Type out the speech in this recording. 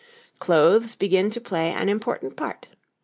Clothes begin to play an important part.